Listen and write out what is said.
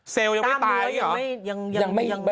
เซลล์ยังไม่ตายหรอ